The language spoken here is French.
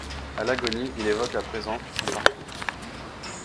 À l'agonie, il évoque, à présent, son parcours.